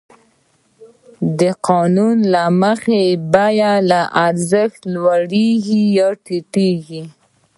د قانون له مخې بیه له ارزښت لوړېږي یا ټیټېږي